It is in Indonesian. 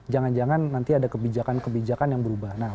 jangan jangan nanti ada kebijakan kebijakan yang berubah